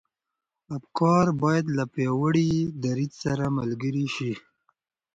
افکار بايد له پياوړي دريځ سره ملګري شي.